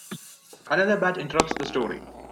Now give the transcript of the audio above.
Another bat interrupts the story.